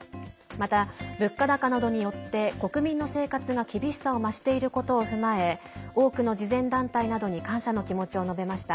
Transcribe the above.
また、物価高などによって国民の生活が厳しさを増していることを踏まえ多くの慈善団体などに感謝の気持ちを述べました。